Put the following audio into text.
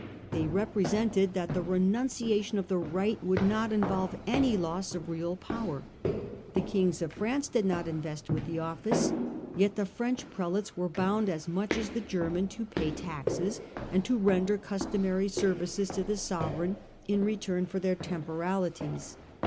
They represented that the renunciation of the right would not involve any loss of real power; the kings of Prance did not invest with the oflSce, yet the French prelates were bound as much as the German to pay taxes, and to render customary services to the sovereign in return for their temporalities.